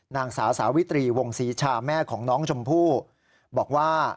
นางสาวสาวิตรีวงศรีชาแม่ของน้องชมพู่บอกว่า